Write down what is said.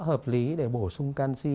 hợp lý để bổ sung canxi